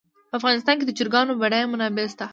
په افغانستان کې د چرګانو بډایه منابع شته.